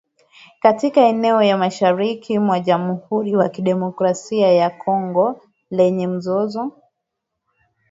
katika eneo la mashariki mwa jamhuri ya kidemokrasia ya Kongo lenye mzozo